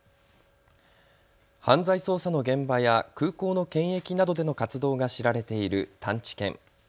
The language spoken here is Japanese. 犯罪捜査の現場や空港の検疫などでの活動が知られている探知犬。